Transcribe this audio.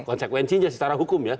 konsekuensinya secara hukum ya